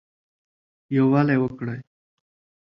يووالى وکړٸ